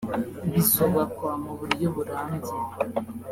Bizubakwa mu buryo burambye